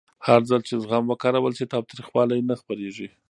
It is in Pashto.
هرځل چې زغم وکارول شي، تاوتریخوالی نه خپرېږي.